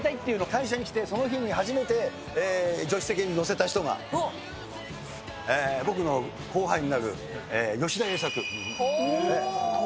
会社に来て、その日初めて助手席に乗せた人が、僕の後輩になる吉田栄作。